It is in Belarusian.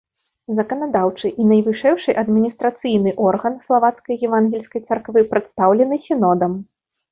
Заканадаўчы і найвышэйшы адміністрацыйны орган славацкай евангельскай царквы прадстаўлены сінодам.